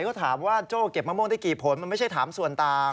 เขาถามว่าโจ้เก็บมะม่วงได้กี่ผลมันไม่ใช่ถามส่วนต่าง